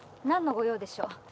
何の御用でしょう？